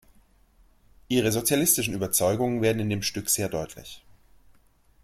Ihre sozialistischen Überzeugungen werden in dem Stück sehr deutlich.